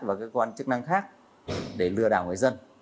và cơ quan chức năng khác để lừa đảo người dân